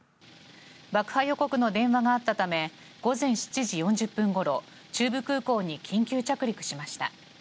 爆破予告の電話があったため午前７時４０分ごろ中部空港に緊急着陸しました。